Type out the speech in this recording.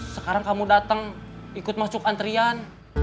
sekarang kamu datang ikut masuk antrian